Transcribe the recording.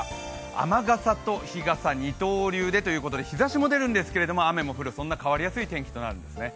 雨傘と日傘、二刀流でということで日ざしも出るんですけど雨も降る、そんな変わりやすい天気となるんですね。